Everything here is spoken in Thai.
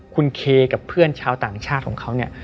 คุณเคกับเพื่อนชาวต่างชาติของเขาเนี่ย